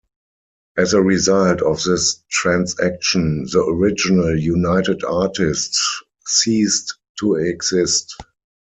As a result of this transaction, the original United Artists ceased to exist.